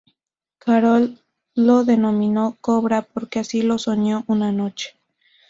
Carroll lo denominó "Cobra" porque así lo soñó una noche.